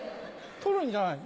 取るんじゃないの？